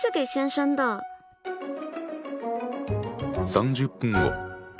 ３０分後。